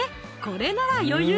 これなら余裕！